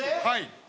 はい。